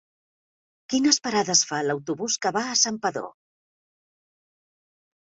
Quines parades fa l'autobús que va a Santpedor?